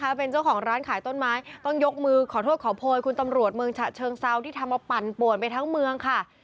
เป็นเจ้าของร้านขายต้นไม้ต้องยกมือขอโทษขอโพยคุณตำรวจเมืองฉะเชิงเซาที่ทำเอาปั่นป่วนไปทั้งเมืองค่ะ